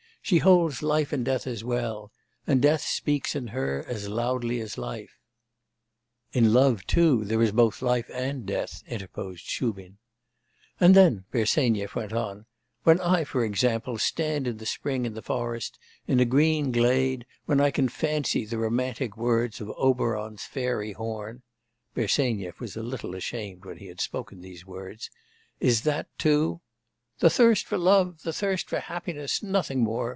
She holds life and death as well; and death speaks in her as loudly as life.' 'In love, too, there is both life and death,' interposed Shubin. 'And then,' Bersenyev went on: 'when I, for example, stand in the spring in the forest, in a green glade, when I can fancy the romantic notes of Oberon's fairy horn' (Bersenyev was a little ashamed when he had spoken these words) 'is that, too ' 'The thirst for love, the thirst for happiness, nothing more!